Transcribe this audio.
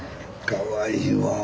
かわいいわぁ。